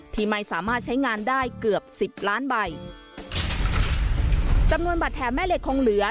ที่ไม่สามารถใช้งานได้เกือบสิบล้านใบจำนวนบัตรแถมแม่เหล็กคงเหลือ